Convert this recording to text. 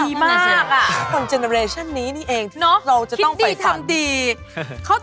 ดีมากอะความเจนเตอร์เรชั่นนี้นี่เองเราจะต้องไปฝันเนาะคิดดีทำดี